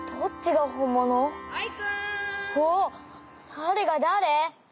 だれがだれ？